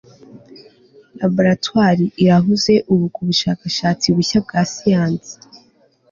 laboratoire irahuze ubu kubushakashatsi bushya bwa siyansi